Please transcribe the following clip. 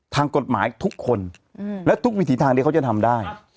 ทางกฎหมายทุกคนและทุกวิถีทางที่เขาจะทำได้